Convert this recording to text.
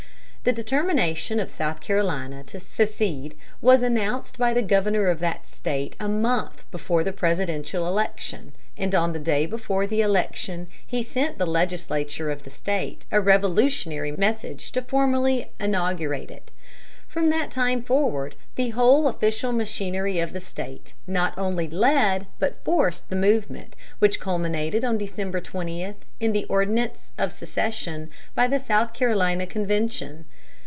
The determination of South Carolina to secede was announced by the governor of that State a month before the presidential election, and on the day before the election he sent the legislature of the State a revolutionary message to formally inaugurate it. From that time forward the whole official machinery of the State not only led, but forced the movement which culminated on December 20 in the ordinance of secession by the South Carolina convention.